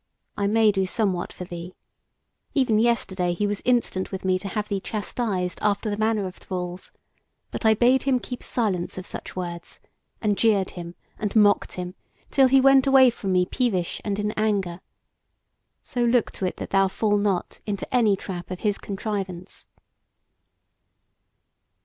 I may do somewhat for thee. Even yesterday he was instant with me to have thee chastised after the manner of thralls; but I bade him keep silence of such words, and jeered him and mocked him, till he went away from me peevish and in anger. So look to it that thou fall not into any trap of his contrivance."